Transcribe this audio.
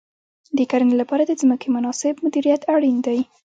د کرنې لپاره د ځمکې مناسب مدیریت اړین دی.